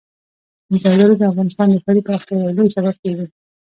زردالو د افغانستان د ښاري پراختیا یو لوی سبب کېږي.